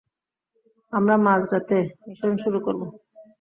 আমরা মাঝরাতে মিশন শুরু করব।